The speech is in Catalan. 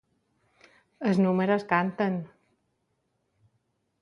Els números canten!